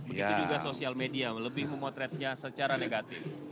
begitu juga sosial media lebih memotretnya secara negatif